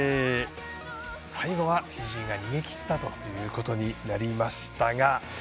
最後はフィジーが逃げきったということになりましたが。